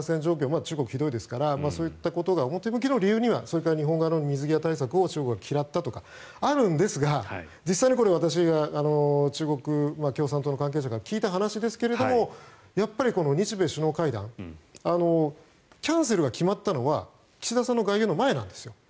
中国、ひどいですからそういったことが表向きの理由にはそれから日本の水際対策を中国が嫌ったとか色んな理由がありますが実際にこれ、私が中国共産党関係者から聞いた話ですがやっぱり日米首脳会談キャンセルが決まったのは岸田さんの外遊の前なんですよ。